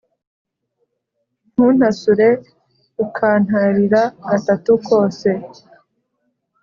ntuntasure ukantarira gatatu kose